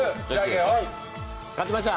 勝ちました。